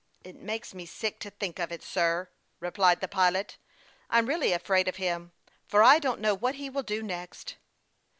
" It makes me sick to think of it, sir," replied the pilot. " I'm really afraid of him, for I don't know what he will do next."